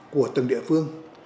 của từng địa phương